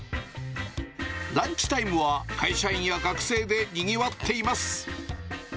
ランチタイムは会社員や学生でにぎわっています。